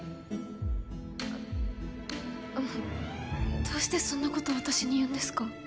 あっあのどうしてそんなこと私に言うんですか？